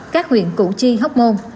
các huyện cụ chi hóc môn